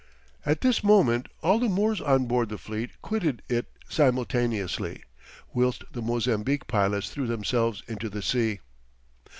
At this moment all the Moors on board the fleet quitted it simultaneously, whilst the Mozambique pilots threw themselves into the sea.